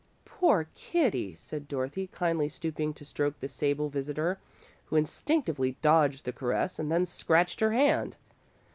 "Poor kitty," said Dorothy, kindly, stooping to stroke the sable visitor, who instinctively dodged the caress, and then scratched her hand.